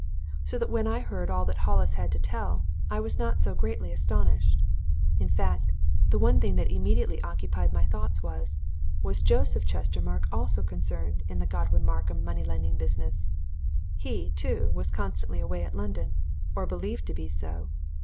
So that when I heard all that Hollis had to tell, I was not so greatly astonished. In fact, the one thing that immediately occupied my thoughts was was Joseph Chestermarke also concerned in the Godwin Markham money lending business? He, too, was constantly away in London or believed to be so.